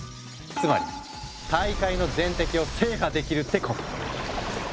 つまり大海の全滴を制覇できるってこと。